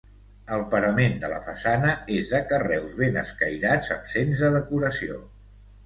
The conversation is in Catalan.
El parament de la façana és de carreus ben escairats, absents de decoració.